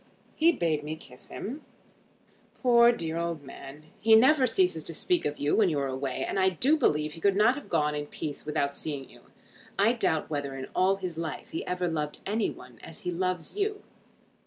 "He bade me kiss him." "Poor dear old man. He never ceases to speak of you when you are away, and I do believe he could not have gone in peace without seeing you. I doubt whether in all his life he ever loved any one as he loves you.